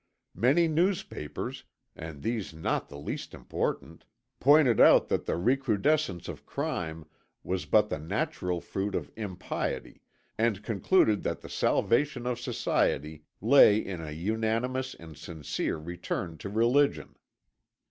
Many newspapers, and these not the least important, pointed out that the recrudescence of crime was but the natural fruit of impiety and concluded that the salvation of society lay in an unanimous and sincere return to religion.